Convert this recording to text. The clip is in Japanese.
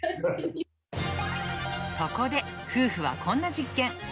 そこで、夫婦はこんな実験。